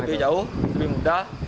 lebih jauh lebih mudah